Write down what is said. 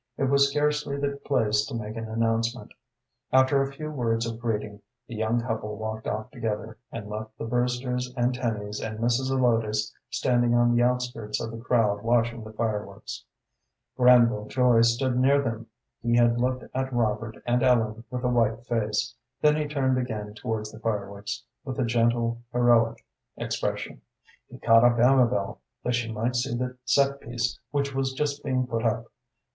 It was scarcely the place to make an announcement. After a few words of greeting the young couple walked off together, and left the Brewsters and Tennys and Mrs. Zelotes standing on the outskirts of the crowd watching the fireworks. Granville Joy stood near them. He had looked at Robert and Ellen with a white face, then he turned again towards the fireworks with a gentle, heroic expression. He caught up Amabel that she might see the set piece which was just being put up.